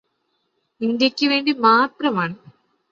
ഇന്ത്യക്ക് വേണ്ടി മാത്രെമാണ്